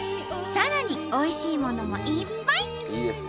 さらにおいしいものもいっぱい！